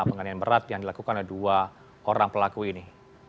pengadilan berat yang dilakukan oleh dua orang pelaku ini